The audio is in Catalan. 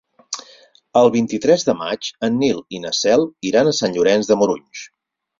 El vint-i-tres de maig en Nil i na Cel iran a Sant Llorenç de Morunys.